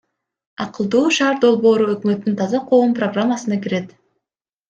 Акылдуу шаар долбоору өкмөттүн Таза коом программасына кирет.